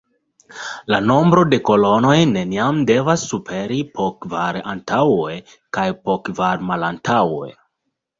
La nombro de kolonoj neniam devas superi po kvar antaŭe kaj po kvar malantaŭe.